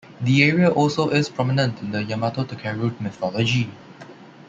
The area also is prominent in the Yamatotakeru mythology.